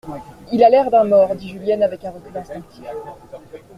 Il a l'air d'un mort, dit Julienne avec un recul instinctif.